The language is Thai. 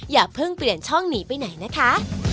อย่าเพิ่งเปลี่ยนช่องหนีไปไหนนะคะ